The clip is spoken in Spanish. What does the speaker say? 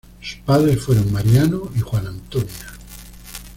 Sus padres fueron Mariano y Juana Antonia.